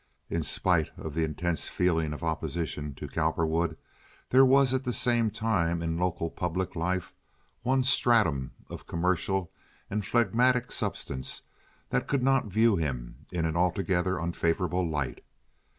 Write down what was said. In spite of the intense feeling of opposition to Cowperwood there was at the same time in local public life one stratum of commercial and phlegmatic substance that could not view him in an altogether unfavorable light.